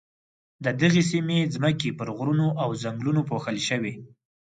د دغې سیمې ځمکې پر غرونو او ځنګلونو پوښل شوې.